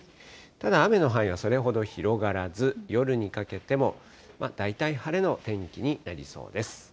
ただ雨の範囲はそれほど広がらず、夜にかけても、大体晴れの天気になりそうです。